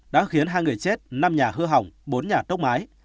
đã khiến hai người chết năm nhà hư hỏng bốn nhà tốc mái